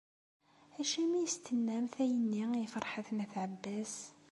Acimi i as-tennamt ayenni i Ferḥat n At Ɛebbas?